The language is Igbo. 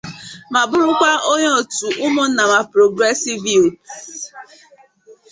ma bụrụkwa onye òtù 'Ummunnama Progresive Youths'